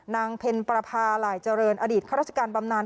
นางเพลประพาหลายเจริญอดีตครับราชการบำนาน